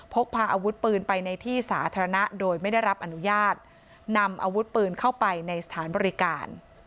พกพาอาวุธปืนไปในที่สาธารณะโดยไม่ได้รับอนุญาตนำอาวุธปืนเข้าไปในสถานบริการ